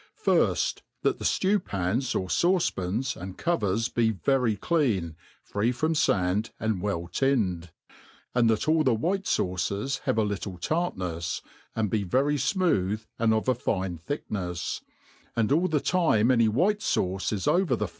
FIRST, that the ilew pans^ or fauee pans, and covers, he very clean, free from fand, and well tinned 5 and rfiat all the white imeea have a Kttk tartnefs, and he very fmooth and of * fine thieknefe, and all the time any whrise fance is over the.